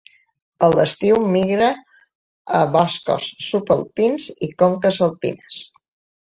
A l'estiu migra a boscos subalpins i conques alpines.